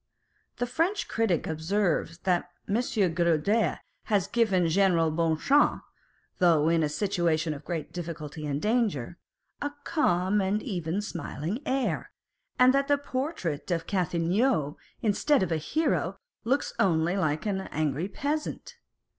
The French critic observes that M. Girodet has given General Bonchamps, though in a situation of great difficulty and danger, a calm and even smiling air, and that the portrait of Cathelineau, instead of a hero, looks only like an angry peasant.